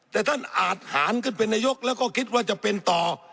แต่ท่านอาทหารขึ้นเป็นนายกแล้วก็คิดว่าจะเป็นต่อ